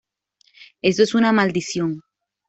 Eso es una maldición.